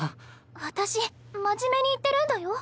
私真面目に言ってるんだよ。